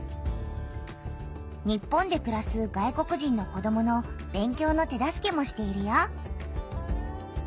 日本でくらす外国人の子どもの勉強の手助けもしているよ。